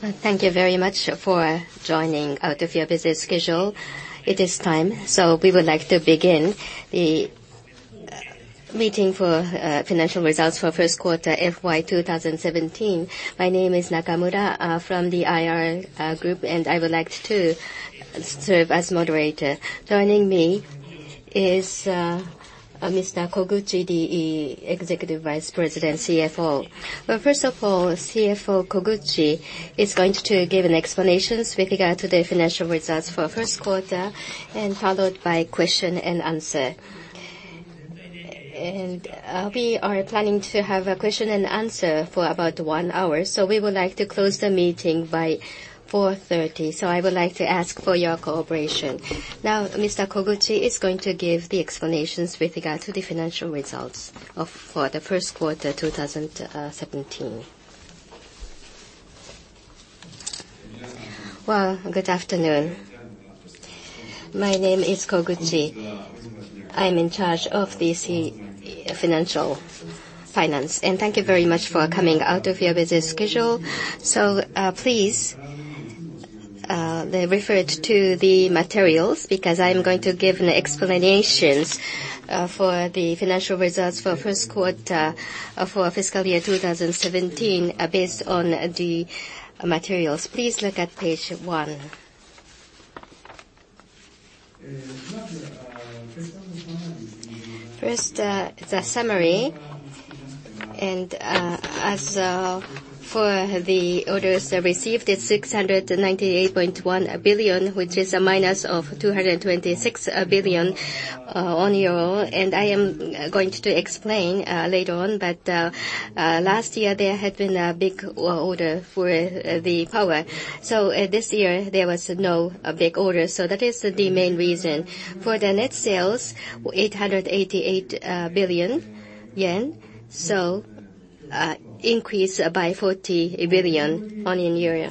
Thank you very much for joining out of your busy schedule. It is time, we would like to begin the meeting for financial results for first quarter FY 2017. My name is Nakamura from the IR group, I would like to serve as moderator. Joining me is Mr. Koguchi, the Executive Vice President CFO. First of all, CFO Koguchi is going to give an explanation with regard to the financial results for first quarter, followed by question and answer. We are planning to have a question and answer for about one hour, we would like to close the meeting by 4:30 P.M. I would like to ask for your cooperation. Now, Mr. Koguchi is going to give the explanations with regard to the financial results for the first quarter 2017. Good afternoon. My name is Koguchi. I'm in charge of the finance. Thank you very much for coming out of your busy schedule. Please refer to the materials, because I'm going to give an explanation for the financial results for first quarter for fiscal year 2017 based on the materials. Please look at page one. First, the summary. As for the orders received, it's 698.1 billion, which is a minus of JPY 226 billion on year-over-year. I am going to explain later on, but last year there had been a big order for the power. This year there was no big order. That is the main reason. For the net sales, 888 billion yen. Increase by 40 billion on year-on-year.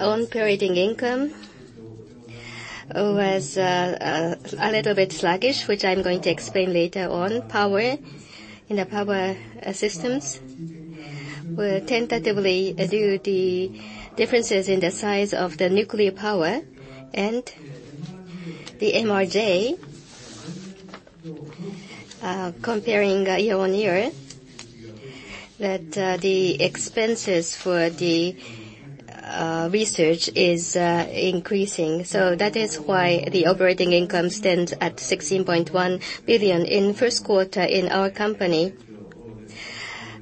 Operating income was a little bit sluggish, which I'm going to explain later on. Power and the Power Systems were tentatively due the differences in the size of the nuclear power and the MRJ. Comparing year-on-year, that the expenses for the research is increasing. That is why the operating income stands at 16.1 billion. In first quarter in our company,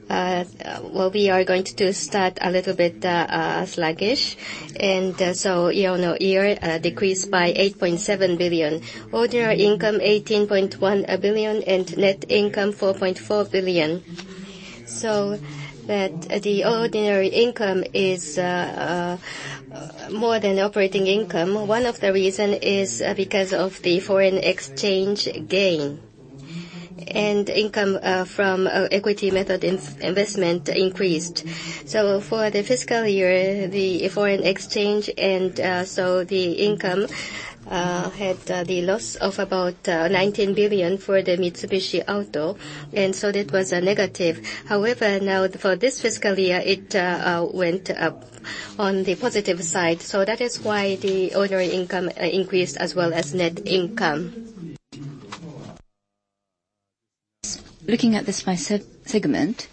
we are going to start a little bit sluggish. Year-on-year, a decrease by 8.7 billion. Ordinary income 18.1 billion and net income 4.4 billion. The ordinary income is more than operating income. One of the reason is because of the foreign exchange gain. Income from equity method investment increased. For the fiscal year, the foreign exchange, the income had the loss of about 19 billion for the Mitsubishi Motors, that was a negative. However, now for this fiscal year, it went up on the positive side. That is why the ordinary income increased as well as net income. Looking at this by segment.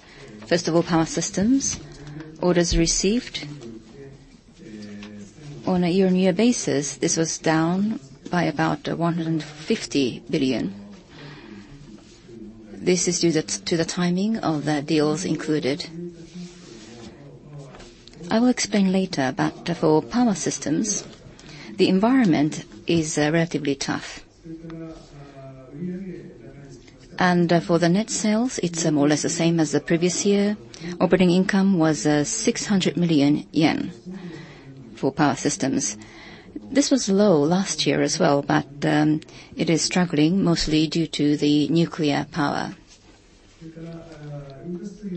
First of all, Power Systems. Orders received on a year-on-year basis, this was down by about 150 billion. This is due to the timing of the deals included. I will explain later, but for Power Systems, the environment is relatively tough. For the net sales, it's more or less the same as the previous year. Operating income was 600 million yen for Power Systems. This was low last year as well, but it is struggling mostly due to the nuclear power.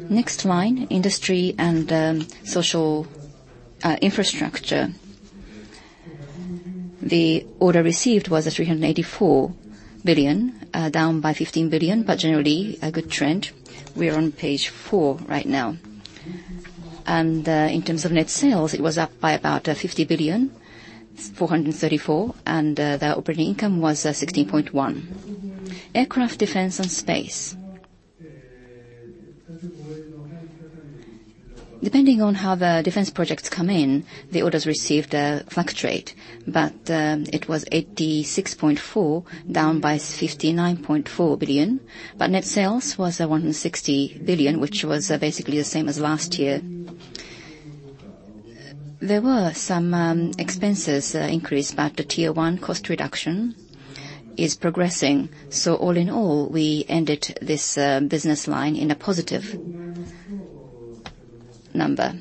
Next line, Industry & Social Infrastructure. The order received was 384 billion, down by 15 billion, but generally a good trend. We are on page four right now. In terms of net sales, it was up by about 50 billion, 434 billion, and the operating income was 16.1 billion. Aircraft, Defense and Space. Depending on how the defense projects come in, the orders received fluctuate. It was 86.4, down by 59.4 billion, net sales was 160 billion, which was basically the same as last year. There were some expenses increase, the Tier 1 cost reduction is progressing. All in all, we ended this business line in a positive number.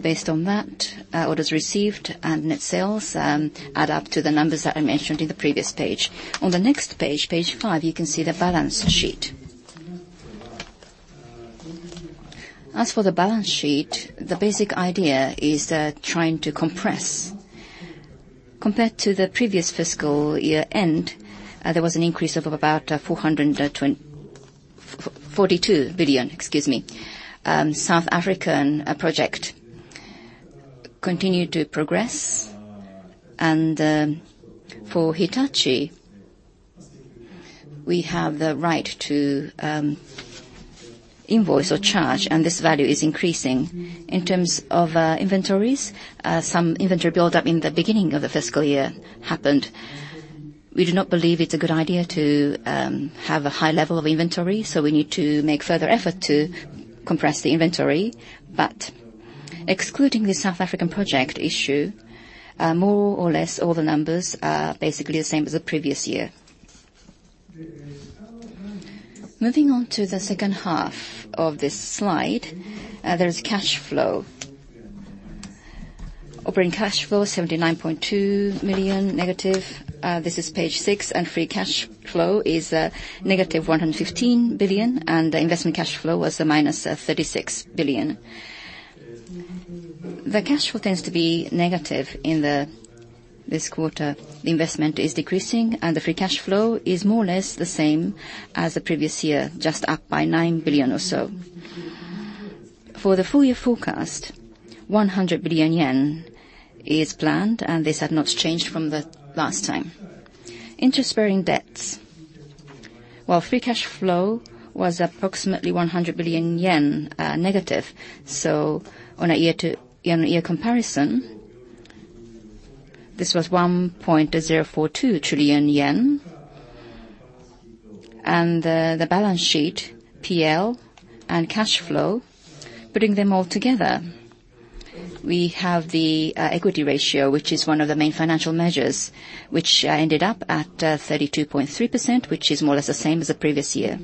Based on that, orders received and net sales add up to the numbers that I mentioned in the previous page. On the next page five, you can see the balance sheet. As for the balance sheet, the basic idea is trying to compress. Compared to the previous fiscal year-end, there was an increase of about 42 billion. South African project continued to progress, for Hitachi, we have the right to invoice or charge, this value is increasing. In terms of inventories, some inventory buildup in the beginning of the fiscal year happened. We do not believe it is a good idea to have a high level of inventory, we need to make further effort to compress the inventory. Excluding the South African project issue, more or less all the numbers are basically the same as the previous year. Moving on to the second half of this slide, there is cash flow. Operating cash flow, 79.2 billion negative, this is page six, free cash flow is negative 115 billion, the investment cash flow was a minus 36 billion. The cash flow tends to be negative in this quarter. The investment is decreasing, the free cash flow is more or less the same as the previous year, just up by 9 billion or so. For the full year forecast, 100 billion yen is planned, this had not changed from the last time. Interest-bearing debts. While free cash flow was approximately 100 billion yen negative. On a year-on-year comparison, this was 1.042 trillion yen. The balance sheet, PL, cash flow, putting them all together, we have the equity ratio, which is one of the main financial measures, which ended up at 32.3%, which is more or less the same as the previous year.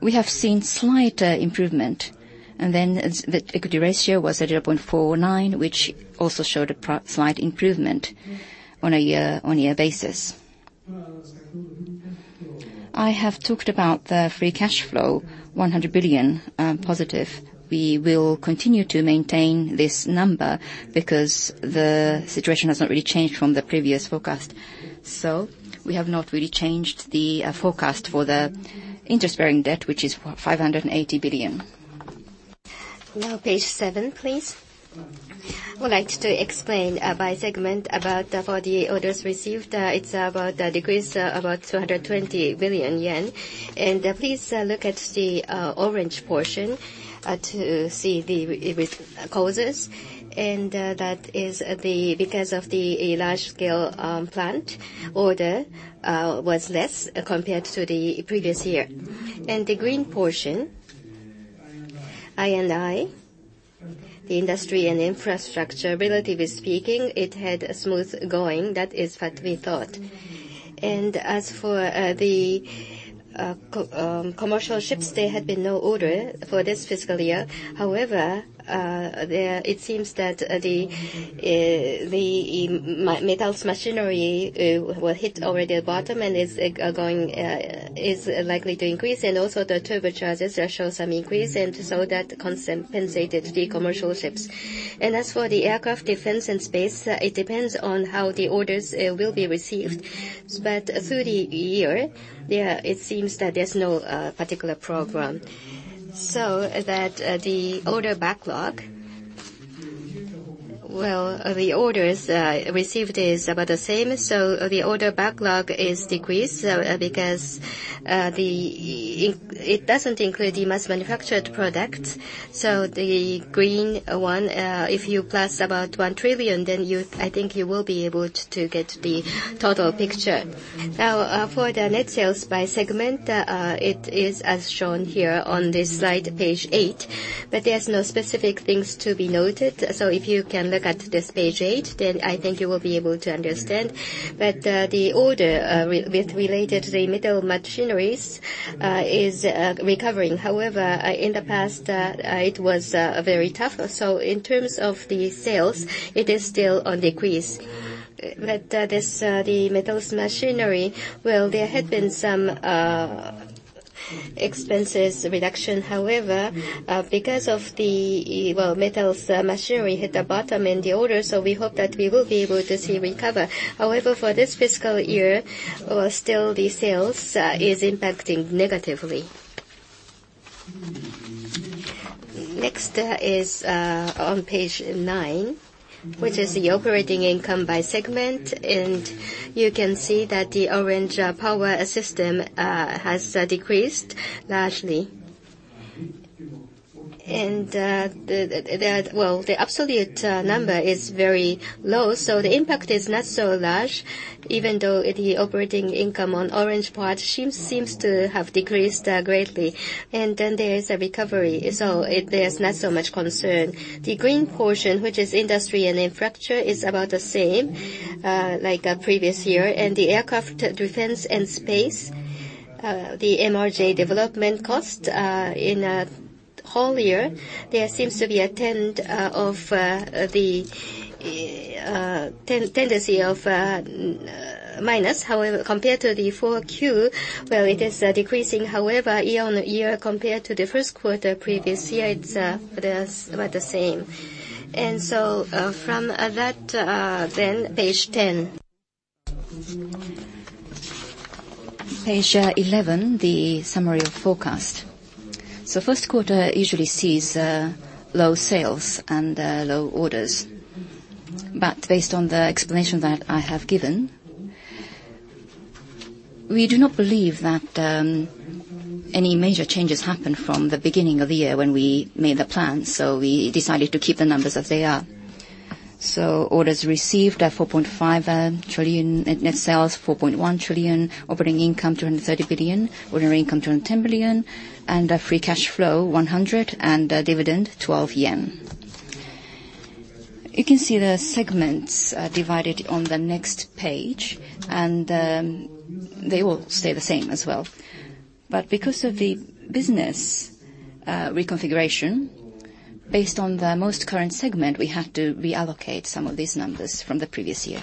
We have seen slight improvement. The equity ratio was 0.49, which also showed a slight improvement on a year-on-year basis. I have talked about the free cash flow, 100 billion positive. We will continue to maintain this number because the situation has not really changed from the previous forecast. We have not really changed the forecast for the interest-bearing debt, which is 580 billion. Page seven, please. I would like to explain by segment about for the orders received, it decreased about 220 billion yen. Please look at the orange portion to see the root causes, that is because of the large-scale plant order was less compared to the previous year. The green portion, I&I, the Industry & Infrastructure, relatively speaking, it had a smooth going. That is what we thought. As for the commercial ships, there had been no order for this fiscal year. However, it seems that the Metals Machinery hit already the bottom and is likely to increase, also the turbochargers show some increase, so that compensated the commercial ships. As for the Aircraft, Defense & Space, it depends on how the orders will be received. Through the year, it seems that there is no particular problem. The order backlog, well, the orders received is about the same, the order backlog is decreased, because it does not include the mass-manufactured product. The green one, if you plus about 1 trillion, I think you will be able to get the total picture. For the net sales by segment, it is as shown here on this slide, page eight, there is no specific things to be noted. If you can look at this page eight, I think you will be able to understand, that the order related to the Metals Machinery is recovering. However, in the past, it was very tough. In terms of the sales, it is still on decrease. The Metals Machinery, well, there had been some expenses reduction. However, because of the Metals Machinery hit the bottom in the orders, we hope that we will be able to see recover. However, for this fiscal year, still the sales is impacting negatively. Next is on page nine, which is the operating income by segment, you can see that the orange Power Systems has decreased largely. Well, the absolute number is very low, the impact is not so large, even though the operating income on orange part seems to have decreased greatly. There is a recovery, there is not so much concern. The green portion, which is Industry & Infrastructure, is about the same, like previous year. The Aircraft, Defense & Space, the Mitsubishi Regional Jet development cost in a whole year, there seems to be a tendency of minus. However, compared to the 4Q, well, it is decreasing. However, year-on-year compared to the first quarter previous year, it is about the same. From that, page 10. Page 11, the summary of forecast. First quarter usually sees low sales and low orders. Based on the explanation that I have given, we do not believe that any major changes happened from the beginning of the year when we made the plan, we decided to keep the numbers as they are. Orders received, 4.5 trillion, net sales, 4.1 trillion, operating income, 230 billion, ordinary income, 210 billion, and free cash flow, 100 billion, and dividend, 12 yen. You can see the segments divided on the next page, and they will stay the same as well. Because of the business reconfiguration, based on the most current segment, we had to reallocate some of these numbers from the previous year.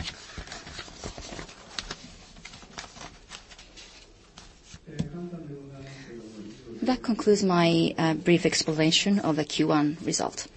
That concludes my brief explanation of the Q1 result.